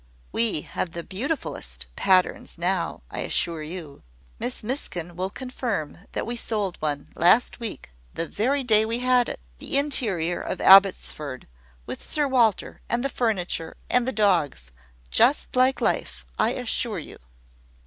We have the beautifulest patterns now, I assure you. Miss Miskin will confirm that we sold one, last week, the very day we had it the interior of Abbotsford, with Sir Walter, and the furniture, and the dogs, just like life, I assure you."